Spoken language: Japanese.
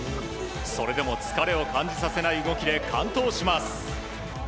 それでも疲れを感じさせない動きで完登します。